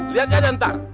lihat aja ntar